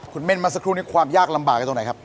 คุณเม่นมาสักครู่นี้ความยากลำบากกันตรงไหนครับ